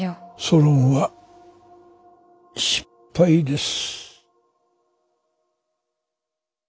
ソロンは失敗です。